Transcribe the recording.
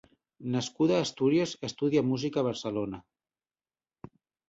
Nascuda a Astúries, estudià música a Barcelona.